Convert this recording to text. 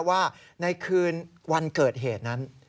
ว่าในคืนวันเกิดเหตุนั้น